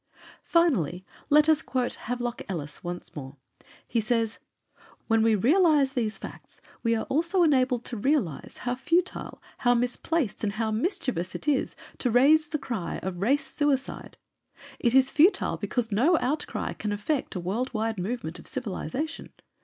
Finally, let us quote Havelock Ellis once more; he says: "When we realize these facts we are also enabled to realize how futile, how misplaced and how mischievous it is to raise the cry of 'Race Suicide.' It is futile because no outcry can affect a world wide movement of civilization.